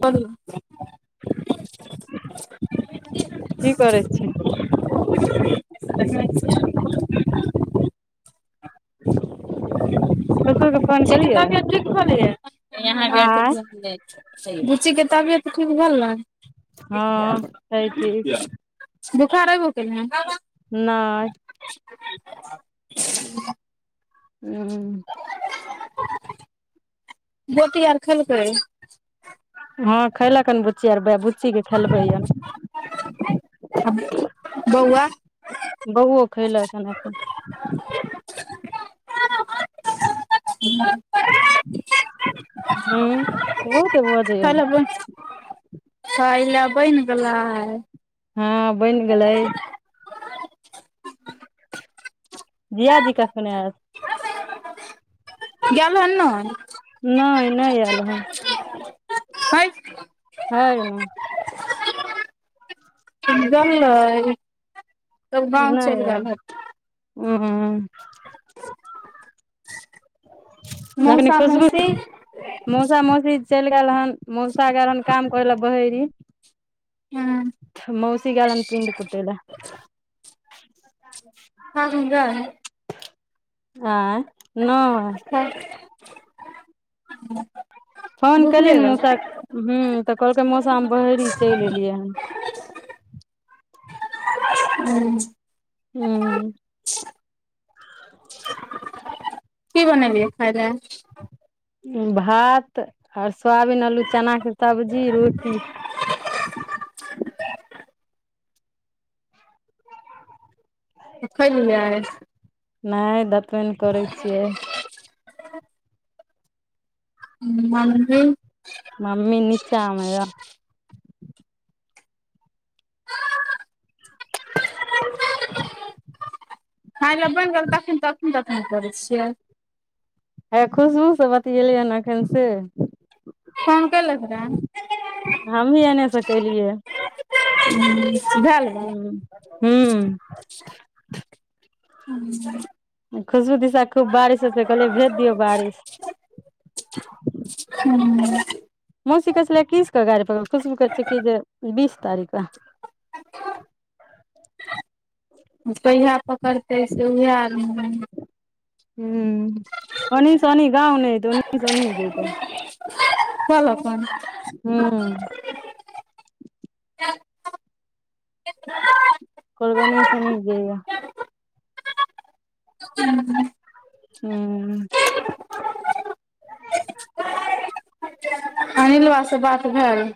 बोलू की करै छी? पढ़ें छीयै और बोल ककर क हेगे तबियत ठीक तो नै गै? यहां गाय के आँय दुध ले बुच्ची के तबियत ठीक भेलै? हँ छै ठीक बुखार अयबो कयलै हें। नै। [unintelligible] उम्म गोटी आर खेलकै? हां खयलक हन, बुच्ची आर वैह बुच्चीे के खेलबै यै। आ बौआ? बौओ खयलक हन एखन। हुं। हूँ वैह त बजै यै। ए खाइले बैन गेला हे। हां बैन गेलै। जीजा जी कखन ऐत? गेल हन नय? नै नै ऐल हें। हय। हय नै। गेलै। तब गाँव नै चलि ऐल, गेल हेतै उम्म अखनि मौसा खुशबू, मौसी मौसा-मौसी चैल गेल हन। मौसा गेल हन काम करैला बहेरी। हँ मौसी गेल हन‌ पिंड कुटै लै। साथ में जाए हय। आंय नै। तब [unintelligible] फोन कलियै न मौसा के हूं तऽ कहलकै मौसा हम बहेरी चैल एलियै हन। [inaudible] हूं। हूं। कि बनैलियै खाय लै? भात आर सोयाबीन, आलू, चनाके सब्जी, रोटी। खैलियै? नै दतमैन करै छियै। मम्मी? मम्मी निचामे यै। [inaudible] खाइलै बैन गेल तखैन-तखैन दतमैन करै छियै? हे खुशबू से बतियैलियैन अखैन से। फोन कयलक रहए हमही एने से केलियै। उम्म भैल? हूं-हूं। हूं। खुशबू दिशा खूब बारिश होय छै कहलिए भेज दियौ बारिश। हूँ। मौशी कहे छलै एकीस के गाड़ी पकड़बो खुशबू कहे छै कि जे बीस तारीख कै। [inaudible] कहिया पकड़तै से उएह आर नै हुं ओनहि से ओनही गाउ नै एते ओनही से ओनही जेैते। चल अपन। हुं। कहलके ओनहि से ओनहि जईयै। हुं। हूं। अनिलवा से बात भेल?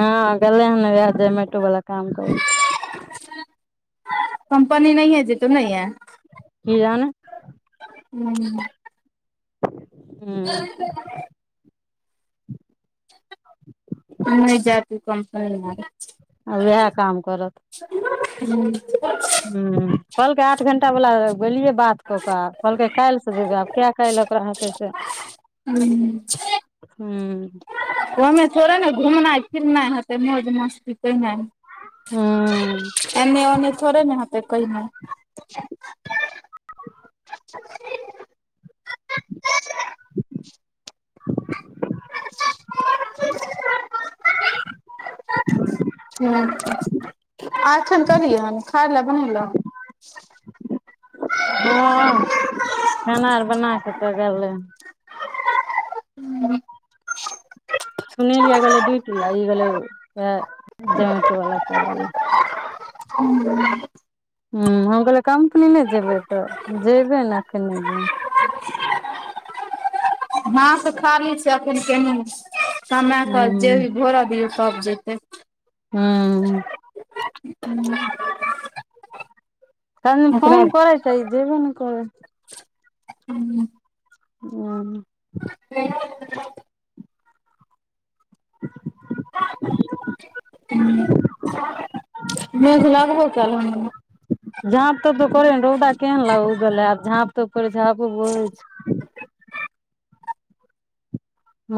हां गैले हन नै वैह ज़ोमेटो वला काम करे लै। कम्पनी नहियै जते उ नै यै? की जाने हूं। हूं। नै जाएत उ कम्पनी में यै। आब वहै काम करत। हूं। हुं कहलकै आठ घंटा बला गेलियै बात कऽ कऽ कहलकै काएल से जेबै आब। कै के अइलय ओकरा हाथे से। हूं। हूं। ओयमे थोड़े नै घुमनाइ-फिरनाइ हेतै, मौज-मस्ती केनाय। हूं। एन्नै-ओन्नै थोड़े नै होतय, कहिनय हुं आयखन कैलियै, खाय लय बनेलौ? हां खाना आर बना के त गेलै हें। हूं। सुनिल यार गेलै यै ड्यूटी आ ई गेलै वैह जमेटो वाला करै लै। हूं। हुं हम कहलिए कम्पनी नै जेबै तऽ जेबै नै अखन नै जेबै। हाथ खाली छै अखन केन कमाय के हूं जेबी भरा दियौ तब जेतै। हूं। हूं। [unintelligible] ओकरा फोन करै छै ई जेबे ने करै हय। हूं। आ। [inaudible] मेघ लगबो कैल हें। झाँप तोप तो करै रौदा केहन लाग उगेल रहै, आब झाँप तोप करय छैय, हबो बहय छैय।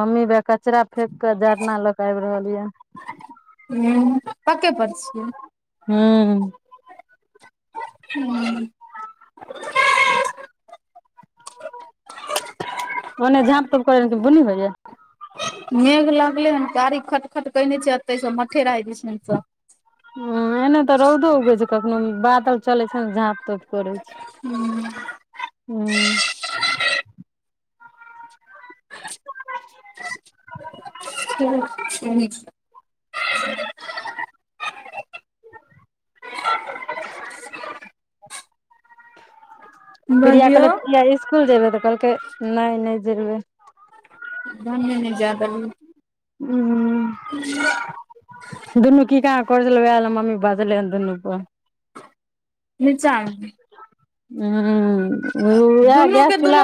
मम्मी वएह कचरा फेेकके जरना ल के आइब रहल ये। हूँ पकै पर छियै। हू। [inaudible] ओने झाँप तोप करैया की बुनि होइये? मेघ लगले हन कारी खट-खट केयने छैय एते से मथेराइ दिस। [unintelligible] ह एने तऽ रौदो उगै छैय कखनो बादल चलय छैन झाँप तोप करय छैय। हू। हू। [inaudible] [unintelligible] प्रिया कहलक बजियौ प्रिया इसकुल जयबै तऽ कहलकै नय नय जेबय। [unintelligible] हूँ। [inaudible] दुनू की कहाँ करय छलय वएह ले मम्मी बाजले हन दुनू क। [unintelligible] हँ ओ यएह दुनू गैस के चूल्हा, दुनू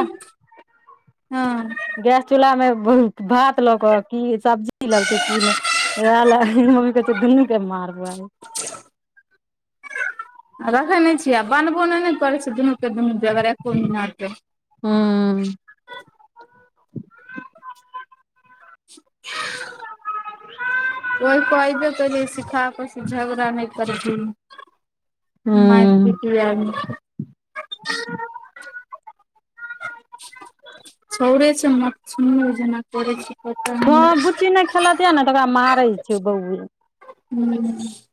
हँ गैस चूल्हामे भात भ लऽ कऽ की सब्जी लेलकै की नहि वएह ले इ मम्मी कहय छैय दुनू के मारबौ आइ। [unintelligible] आ रखै नहि छियै आ बनबो नहि ने करय छैय दुनूके दुनू बगैर एको मिनट। हू। [unintelligible] ओहि कहबे करबय सिखा क झगड़ा नहि करय जइहें। माइर हूँ पिट [unintelligible] [unintelligible] छौड़े छैय मटसुुन जेना करय छैय। हँ बुच्ची नहि खेलतियै ने तऽ ओकरा मारैय छैय बहुत। हू।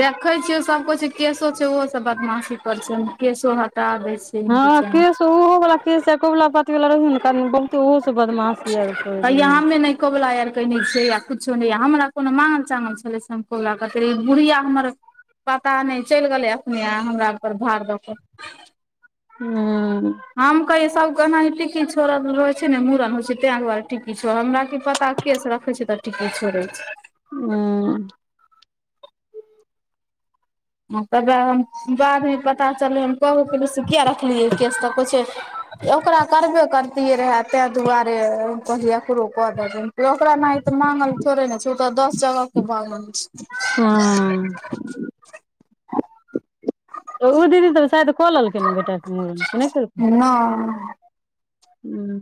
देखै छियै सब कोइ जे केशो छैय ओहो सब बदमाशी करय छैय, केशो हटा दै छैय। हँ केश ओहो वला केश आर कबूला पाति वला रहै ने बहुते ओहो से बदमाशी आरो करैत रहय। यहाँ मे नहि कबुला आर के न छैय या कुछो नय हमरा कोनो मांगल चांगल छलेै से हम कबुला करितियए। बुढ़िया हमर पता नय चलि गेलै एखने आ हमरा पर भाड़ द क। ह। हम कहियै सब कहना टिकी छोड़ल रहे छैय ने मूड़न होय छैय तें दुआरे टिकी छोड़ल हमरा की पता केस देखय छी त टिक्की छोड़ल छैय। हू। तबे हम बादमे पता चललै हम कहबो केलियै से किया रखलियै केस तऽ कहय छैय ओकरा करबे करतियै रहे ताहि दुआरे कहलियै एकरो कऽ देहिन। ओकरा नहि तऽ मांगल थोड़े ने छैय ओ त दस जगहके मांगल छैय। हँ त उ दीदी तऽ शायद कऽ लेलकैन ने बेटाके मुड़न कि नहि केलकानि? छै नहि हूं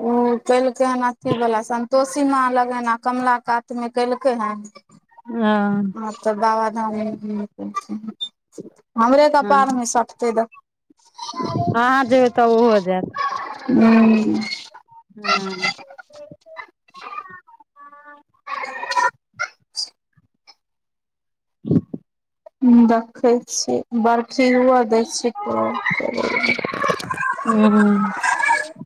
ओ [unintelligible] कानि अथी बला संतोष सीमा लगेना कमला कात मे केलकै हन। अं म तब बाबाधाम [unintelligible] हमरे कपारमे सटतै तऽ। हां-हां जे हेतौ। उम्म हुं [inaudible] दखै छीयै बरखी हुअ दै छीयै [unintelligible] हूं-हूं हेलो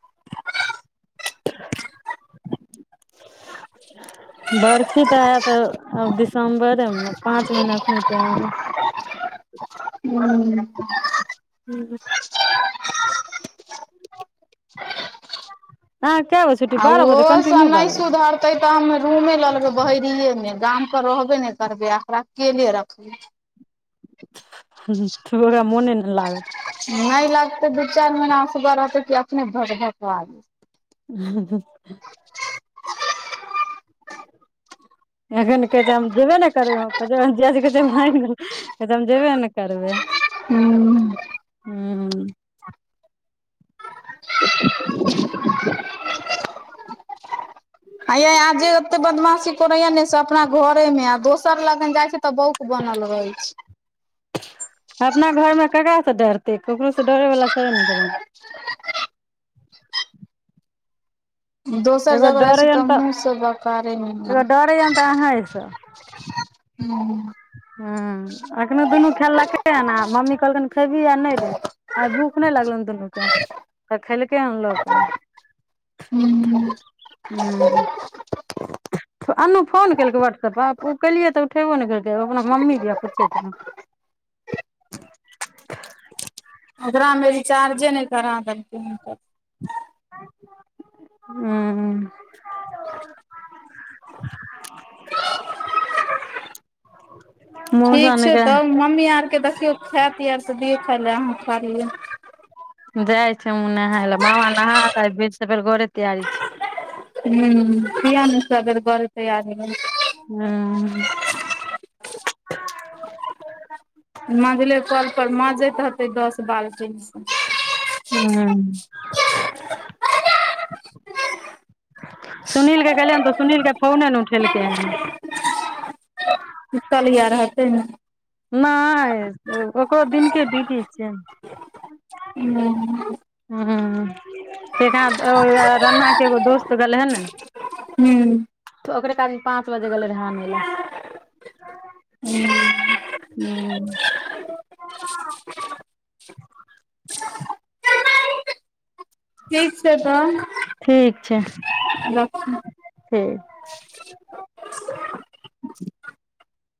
बरखी तऽ हेयत आ आब दिसम्बरेमे ने। पाँच महिना एखनो टाइम है हूं-हूं हूं। अहांक आ उहो से नै सुधर तै तऽ हम रूमे लऽ लेबै बहेरिये मे। गाम पर रहबे नै करबै आ आकरा अकेले रखबै। उ-हु थोरा मोने नै लागत नहि लगतै। दू चारि महिना असगर रहतै कि अपने भकभका जेतै। हूं -हूं-हूं [inaudible] एखन कहै दे हम जेबे नै करबै। [unintelligible] जीजाजी कहै छै [unintelligible] जेबे नै करबै। [inaudible] हूं [inaudible] हैया आ जे ओते बदमाशी कोरैया ने से अपना घरे मे। आ दोसर लगन जाइ के तऽ बउक बनल रहै छै। अपना घरमे ककरासँ डरतै। ककरोसँ डरै वला छबे ने करै। दोसर एगो जगह जाइ छी तऽ हमहुँ सब बेकारेमे करैये नै तऽ अहां [unintelligible] सँ। [inaudible] हं, एखनो दुनू खेललकै हन आ मम्मी कहलकन खेबही आ नहि देबही आइ भूख नहि लगलौ आ दुन्नू के? त खेलकै हन लो कऽ। हूं। अन्नू फोन केलकै वाट्सएप्प पर। ओ केलियै तऽ उठेबो नहि केलकै ओ अपना मम्मी दिया पूछैत रहे। ओकरामे रिचार्जे नहि करा देलखिन त। उं- हूं खा लो। [inaudible] मौसा ठीक छै नहिके तऽ मम्मी आर कतेय खायत यार तऽ दियौ खाय ले। अहाँ खा लिअ जाय छी हमूं नहाय ले, मामा नहा कऽऐ फेर-से-फेर घरे तैयारी छै। उं, किये ने सगर गरे तैयारी में हूँ। माँजले कल पर माँजैत हतै दस बारह टिन सँ [inaudible] सुनील के गेलैहन तऽ सुनील के फोने न उठेलकै हन [unintelligible] निकालिया रहतै ने? नाँय, ओ-ओको दिनके ड्यूटी चैन। ऊँ हूं, तेना ओ र-रन्ना के एगो दोस्त गेलेहें ने हूँ ओकरे क आदमी पाँच बजे गेले रहे आानै ले हूँ। [unintelligible] हुं। ठीक छै तऽ रखू हे